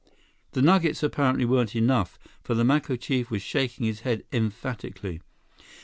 The nuggets apparently weren't enough, for the Maco chief was shaking his head emphatically.